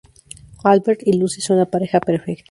Albert y Lucy son la pareja perfecta.